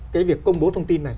cái việc công bố thông tin này